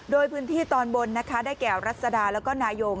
โดยพื้นที่ตอนบนนะคะได้แก่รัศดาแล้วก็นายง